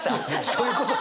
そういうこと。